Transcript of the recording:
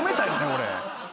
俺。